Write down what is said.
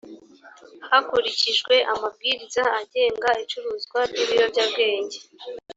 hakurikijwe amabwiriza agenga icuruzwa ry’ibiyobyabwenge